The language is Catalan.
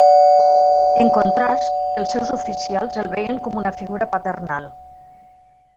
En contrast, els seus oficials el veien com una figura paternal.